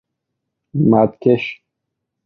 مدکش